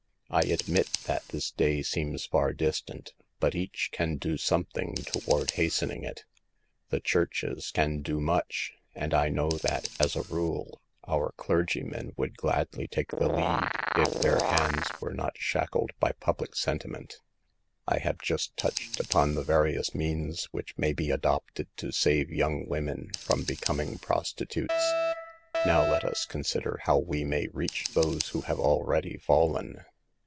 I admit that this day seems far distant, but each can do something toward hastening it. The churches can do much, and I know that, as a rule, our clergy men would gladly take the lead if their HOW TO SAVE OUR ERRING SISTERS. 241 hands were not shackled by public senti ment. I have just touched upon the various means which may be adopted to save young women from becoming prostitutes ; now let us consider how we may reach those who* have already fallen.